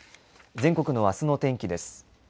全国のあすの天気です。